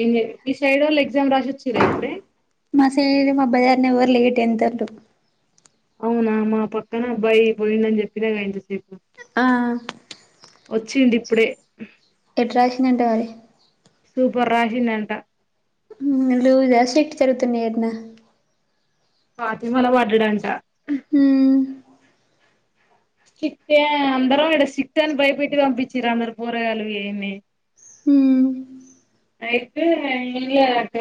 హిందీ ఈ సైడోళ్ళు ఎగ్జామ్ రాసొచ్చరా ఇప్పుడే బజార్ నెవ్వరు లేట్ ఎం [inaudible] అవునా మా పక్కన అబ్బాయి పోయిండని చెప్పినా గా ఇంతసేపు ఆ వచ్చిండిప్పుడే ఎట్రాషిండంట మరి సూపర్ రాషిండంట [inaudible] జరుగుతున్నాయట్నా బాత్రూం లో పడ్డడంట స్రిక్టే అందరం ఈడ స్రిక్ట్ అని భయపెట్టి పంపించిర్రు అందరూ పోరగాళ్లు వీడిని ఐతే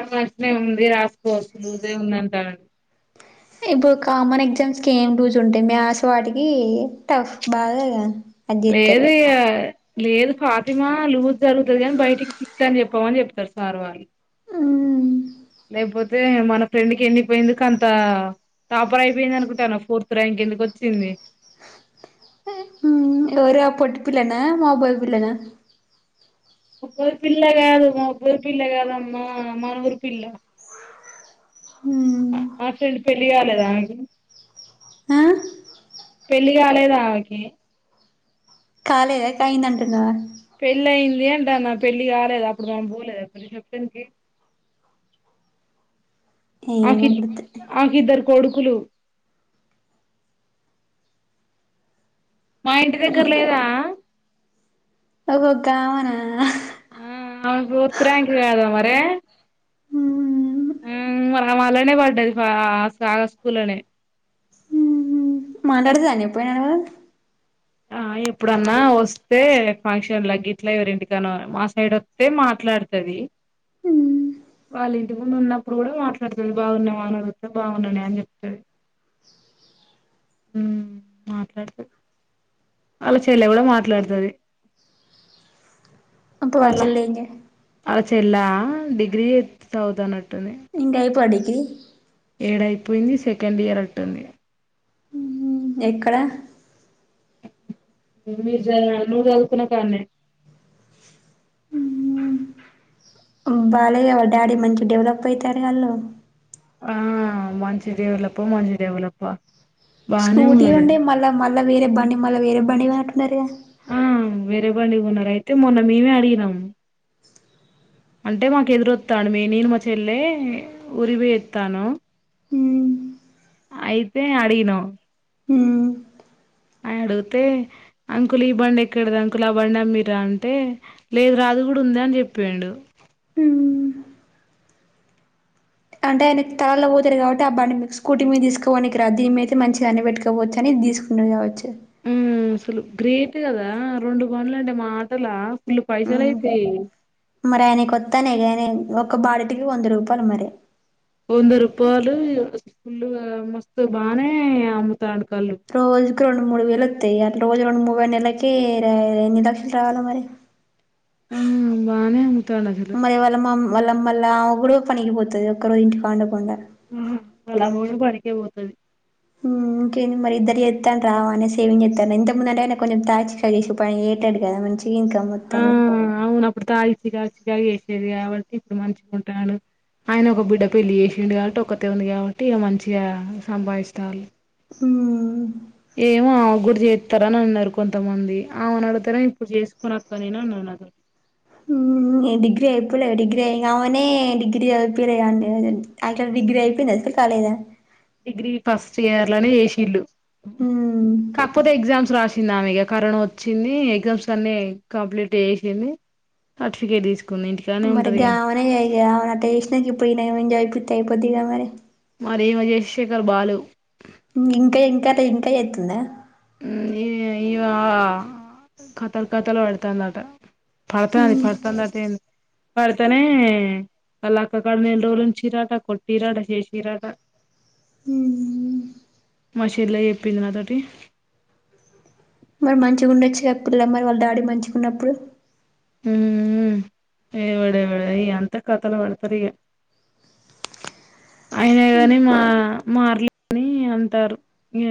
[inaudible] ఉంది రాసుకోవచ్చు లూజే ఉందంటారండి ఇప్పుడు కామన్ ఎగ్జామ్స్ కేం లూజ్ ఉంటుంది ఆస్ వాటికి టఫ్ బాగోదన్ లేదు ఇగ లేదు ఫాతిమా లూజ్ జరుగుతది అని బయటికి సిక్ట్ అని చెప్పమని చెప్తారు సార్ వాళ్ళు లేకపోతే మన ఫ్రెండ్ కి ఎన్ని పోయిందికు ఎందుకంత టాపర్ అయిపోయింది అనుకుంటాను ఫోర్త్ ర్యాంక్ ఎందుకొచ్చింది ఇంకెవరు ఆ పొట్టి పిల్లనా మాబై పిల్లనా [inaudible] పిల్ల కాదు మా [inaudible] పిల్ల కాదమ్మా మా ఊరు పిల్ల మా ఫ్రెండ్ పెళ్లి కాలేదా ఆమెకి ఆ పెళ్లి కాలేదా ఆమెకి కాలదా కయిందంటనా పెళ్లయ్యిన్ ఏంటన్నా పెళ్ళి కాలేదు అప్పుడు [inaudible] ఏమో ఆకిద్ గుర్తు ఆకిద్దరు కొడుకులు మా ఇంటి దగ్గర లేదా ఓహో కావనా [inaudible] కదా మరే [inaudible] పడ్డాది ఆ సార్ స్కూల్లోనే మాట్లాడుతానే ఎప్పుడైనా నువ్వు ఆ ఎప్పుడన్నా వస్తే ఫంక్షన్ లా గిట్లా ఎవరింటికన్నా మా సైడ్ వత్తే మాట్లాడుతుది వాళ్ళింటి ముందు ఉన్నప్పుడు కూడా మాట్లాడుతుది బాగున్నా [inaudible] వాళ్ళ చెల్లి కూడా మాట్లాడుతది ఇప్పుడు వాళ్ళ చెల్లి ఏం చే అళ్ళ చెల్లా డిగ్రీ చేయ్ [inaudible] చదువుతాన్నట్టుంది ఇంకైపో డిగ్రీ ఏడ అయిపోయింది సెకండ్ ఇయర్ అట్టుంది ఎక్కడ మీరు [inaudible] నువ్వు చదువుతున్న కాన్నే ఉమ్ బాలయ్య వాళ్ళ డాడీ మంచి డెవలప్ అయితారు వాళ్ళు ఆ మంచి డేవులప్ప మంచి డేవులప్పా స్కూటి ఉండే మల మల మ వేరే బండి మళ వేరే బండి దార రే బండి ఉన్నారు అయితే మొన్న మేమే అడిగినము అంటే మాకు ఎదురొస్తాడు మీ నీను మ చెల్లేె ఉరికి పోయేస్తాను అయితే అడిగిన అని అడిగితే అంకుల్ ఈ బండి ఎక్కడద అంకుల్ ఆ బండి అమ్మిరా అంటే లేదు రా అది కూడా ఉంది అని చెప్పాడు అంటే ఆయన తలల్లో పోతారు కాబట్టి ఆ బాడి మీ స్కూటీ మీద తీసుకోవడానికి రాదు దీని మీదతే మంచిగా అన్ని పెట్టుకోవచ్చు అది తీసుకునే కావచ్చు మ్మ్ అసలు గ్రేట్ కదా రెండు పనులు అంటే మా మాటల ఫులు పైసలు అయితా మరి ఆయనకు కొత్తాన్నాయిగానే ఒక బాటికి వంద రూపాయలు మరి వంద రూపాలు ఫుల్ మస్తు బాగానే అమ్ముతాండు కళ్ళు రోజుకి రెండు మూడు వేలు వత్తయ రోజు రండు మువై నెలకి ఎన్ని లక్షలు రావాలా మరి ఆ బానే అమ్ముతాండు అక్కడ అలా కూడా పనికి పోతది ఒక్కరోజ ఇంటికాడ ఉండకుండా ఉహు వాళ్ళ అమ్మ కూడా పనికే పోతది ఉ ఇంకేం మరి ఇద్దరు చేతన్నే రావా అనే సేవింగ్ చేస్తాను ఇంతకుముందు అంటే కొంచెం తాచి చేసి పని ఏటాడు కదా మంచి ఏం కమ్ము తనే ప్పుడు తాగి సిగ కా చేేసేది కాబట్టి ఇప్పుడు మంచిగా ఉంటాడు ఆయన ఒక బిడ్డ పెళ్లి చేసిండు కాబట్టి ఒకటే ఉంది కాబట్టి ఇ మంచిగా సంపాదిస్తారు ఉ ఏమో ఆమె గుడి చేస్తార అని అన్నారు కొంతమంది ఆమెను అడతార ఇప్పుడు చేసుకునక్కా అని అన్నది నాతో ఉ ఈ డిగ్రీ అయిపోలే డిగ్రీ అయి కావనే డిగ్రీ అయిపోలేండి అ డిగ్రీ అయిపోయింది అసలు కాలేదా డిగ్రీ ఫస్ట్ ఇయర్ లోనే ఏషీల్లు కాకపోతే ఎగ్జామ్స్ రాసి చ్చిందా ఇక కరోనా వచ్చింది ఎగ్జామ్స్ అన్ని కంప్లీట్ చేసింది సర్టిఫికేట్ తీసు మరిగావనే అయ్యా అటు చేసినాక ఇప్పుడు ఈన ఎంజాయ్ టైపోదిగా మరి మరి ఈమె చేసింది బాలేవు ఇంకా ఇంకా ఇంకా అవుతుందా ఉ ఈ ఈ ఆ కథలు కథలు పడతాందట పరతది పడతంది అటే పడతనే వాళ్ళక్క కడ నెల్లూరు నుంచి రాక కొట్టిరట చేసిరట ఉ ఉ మా చెల్లి చెప్పింది నాతోటి మరి మంచిగా ఉండొచ్చుగా పిల్ల మరి వాళ్ళ డాడీ మంచిగా ఉన్నప్పుడు ఉ ఉ ఏ వాడవడ ఈయ అంత కథలు వాడతరిగ అయినా గాని మా మారలేని అంటారు ఈ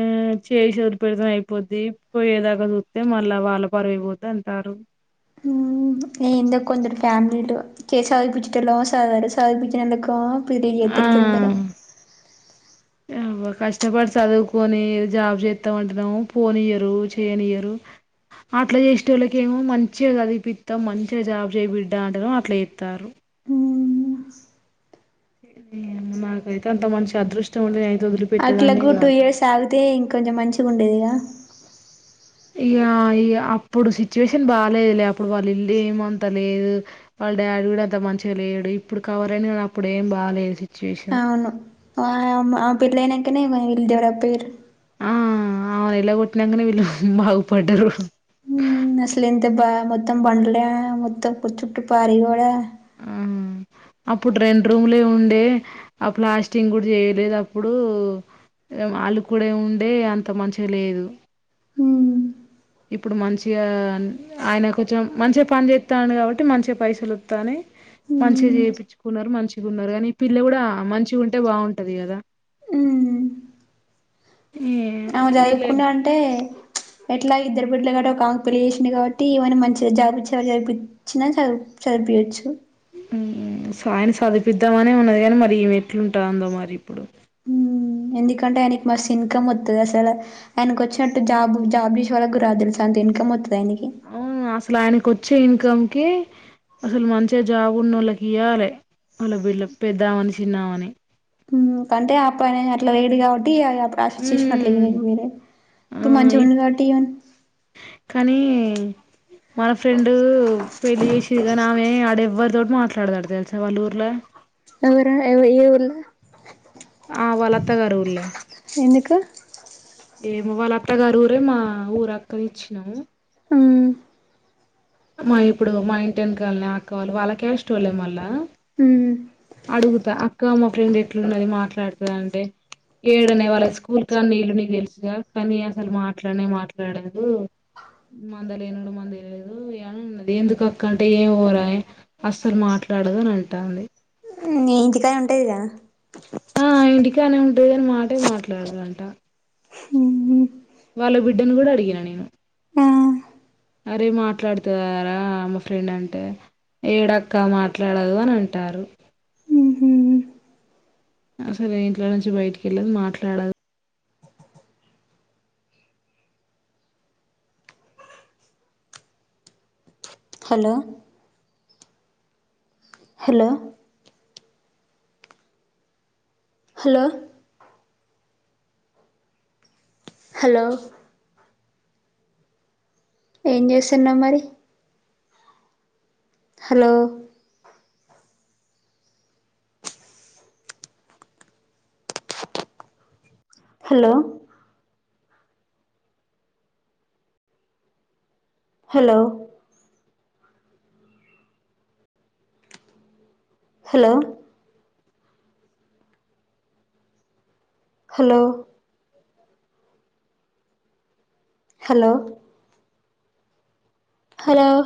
చేసేది పెడితం అయిపోద్ది పోయ్యేదాకా చూస్తతే మళ్ళా వాళ్ళ పరువైపోతే అంటారు నేనుంద కొందరు ఫ్యామిలీతో చేసే చవి పచ్చటలు సదవరు చదిపించినలకు పెళ్లి ఆ చేత్తరు తొందర కష్టపడి చదువుకొని జాబ్ చేస్తాం అంటున్నాము పోనీయరు చేయనియరు అట్లా చేసే వాళ్ళకి ఏమో మంచిగా చదివిపిస్తాం మంచిగా జాబ్ చేయిబిడ్డా అంటన్నా అట్లా చేస్తారు నాకైతే అంత మంచి అదృష్టం ఉండే అట్లాగు టూ ఇయర్స్ ఆగితే ఇంకొంచెం మంచిగా ఉండేదిగా ఇగ ఇగ అప్పుడు సిచ్యువేషన్ బాగాలేదు లే అప్పుడు వాళ్ళ ఇల్లు ఏమంత లేదు వాళ్ళ డాడీ కూడా అంత మంచిగా లేడు ఇప్పుడు కవర్ అయిన కానీ అప్పుడు ఏం బాగాలేదు అవును ఆ ఆ పిల్న కనే మ ఇళ్ దవర పేరు ఆ ఏళ్ల కొట్టినాకనే వీళ్ళు బాగుపడ్డారు ఉ అసలే ఎంత బా మొత్తం బండలే మొత్తం చుట్టటు పారీ గోడా ఉ అప్పుడు రెండు రూములే ఉండే ఆ ప్లాస్టింగ్ కూడా చేయలేదు అప్పుడు వాళ్ళు కూడా ఉండే అంత మంచిగా లేదు ఉమ్ ఇప్పుడు మంచిగా ఆయన కొంచెం మంచిగా పని చేస్తాడు కాబట్టి మంచిగా పైసలు వస్తాని మంచిగా ఉమ్ చేపిచుకున్నారు మంచిగా ఉన్నారు కానీ ఈ పిల్ల కూడా మంచిగా ఉంటే బాగుంటది కదా ఆమే వీళ్ళ చదువుకున్నా అంటే ఎట్లా ఇద్దరు బిడ్లు కాట్ట ఒక ఆకు పెళ్లి చేేసిాంది కాబట్టి ఏమన్న మంచిగా జాబచ్చ చదిపిించినా చదువు చదివయవచ్చు ఉహు సాయన చదిపిద్దామనే ఉన్నది కాని మరి ఈమెట్లుంటాందో మరి ఇప్పుడు ఎందుకంటే ఆయనకి మస్తు ఇన్కమ్ వతుంది అసలు ఆయనకు వచ్చినట్టు జాబ్ జాబ్ చేషే వాళ్కు రా తెలు స అంత ఇన్కమ్ వతుది అవు అసలు ఆయనకు వచ్చే ఇ కమ్ కి అసలు మంచిగా జాబ్ ఉన్న ఒళ్ళకి ఇయ్వాలి వాళ్ళ బిడ్ళ పెద్దామని చిన్నామని ఉ అంటే అ పయినే అట్లా వేడి కావ ఉ ఆ ఇప్పుడు మంచిగా ఉండు ఇప్పు కాబట్టి కానీ మన ఫ్రెండు పెళ్లి చేసిరు కాని ఆమె ఆడెవ్వరితోటి మాట్లాడదట తెలుసా వల్లూర్ల ఎవారు ఎవ ఏఊర్ల ఆ వాళ్లత్తగారి ఊర్లో ఎందుకు ఏమో వాళ్ళ అత్తగారు ఊరే మా ఊరు అక్కని ఇచ్చినాము ఉ మా ఇప్పుడు మా ఇంటివేన్కాల ఆక్క వాళ్ళ క్యష్టోల్లే మళ్ళా ఉ అడుగుత అక్క అమ్మ ఫ్రెండ్ ఎట్లున్నది మాట్లాడుతదా అంటే ఏడనే వాళ్ళ స్కూల్ కానీ నీళ్లుని తెలుసుగా కానీ అసలు మాట్లాడ మాట్లాడదు మంద లేనుడు మంది తెదుని ఉన్నది ఎందుకు అక్క అంటే ఏంమోర అసలు మాట్లాడదు అని అంటాంది ని ఇంటికాడ ఉంటదిగ ఆ ఇంటికానే ఉంటదిని మాటే మాట్లాడుదంట వాళ్ళ బిడ్డను కూడా అడిగిన నేను ఆ అరే మాట్లాడుతారా ఆమె ఫ్రెండ్ అంటే ఏడక్క మాట్లాడదు అని అంటారు అసలు ఇంట్లో నుంచి బయటికెళ్ళదు మాట్లాడదు హలో హలో హలో హలో ఏం చేస్తున్నావ్ మరి hello hello hello hello hello hello hello